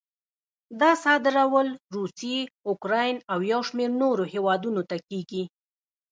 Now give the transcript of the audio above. دا صادرول روسیې، اوکراین او یو شمېر نورو هېوادونو ته کېږي.